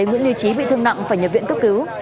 nguyễn liêu trí bị thương nặng phải nhập viện cấp cứu